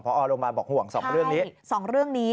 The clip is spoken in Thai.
พอโรงพยาบาลบอกห่วงสองเรื่องนี้สองเรื่องนี้